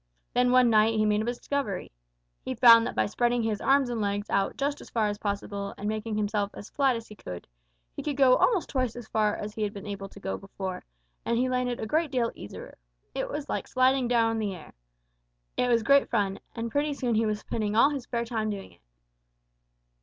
Then one night he made a discovery. He found that by spreading his arms and legs out just as far as possible and making himself as flat as he could, he could go almost twice as far as he had been able to go before, and he landed a great deal easier. It was like sliding down on the air. It was great fun, and pretty soon he was spending all his spare time doing it.